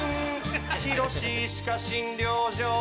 ひろし歯科診療所